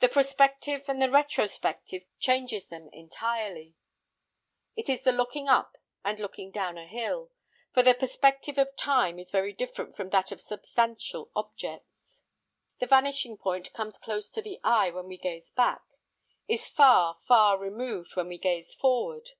The prospective and the retrospective changes them entirely. It is the looking up and looking down a hill, for the perspective of time is very different from that of substantial objects. The vanishing point comes close to the eye when we gaze back; is far, far removed when we gaze forward.